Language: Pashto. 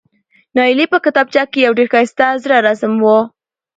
نایلې په کتابچه کې یو ډېر ښایسته زړه رسم و،